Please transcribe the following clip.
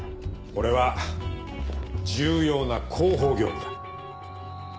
これは重要な広報業務だ。